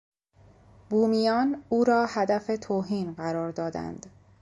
بومیان او را هدف توهین قرار دادند.